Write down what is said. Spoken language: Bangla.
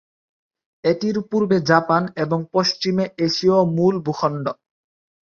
এটির পূর্বে জাপান এবং পশ্চিমে এশীয় মূল ভূখণ্ড।